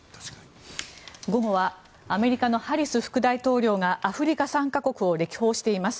午後はアメリカのハリス副大統領がアフリカ３か国を歴訪しています。